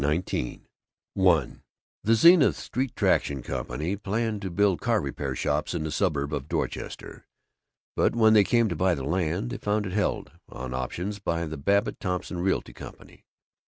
CHAPTER XIX I The Zenith Street Traction Company planned to build car repair shops in the suburb of Dorchester, but when they came to buy the land they found it held, on options, by the Babbitt Thompson Realty Company.